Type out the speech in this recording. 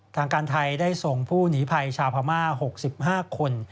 ทางการไทยได้ส่งผู้หนีภัยชาวพม่า๖๕คน